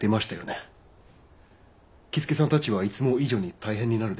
僖助さんたちはいつも以上に大変になるでしょう。